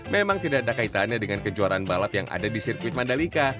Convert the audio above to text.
memang tidak ada kaitannya dengan kejuaraan balap yang ada di sirkuit mandalika